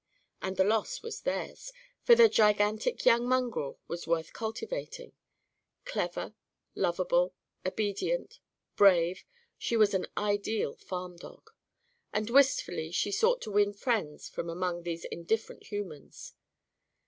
And the loss was theirs. For the gigantic young mongrel was worth cultivating. Clever, lovable, obedient, brave, she was an ideal farm dog. And wistfully she sought to win friends from among these indifferent humans.